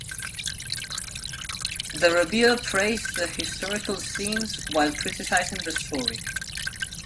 The reviewer praised the historical scenes while criticizing the story.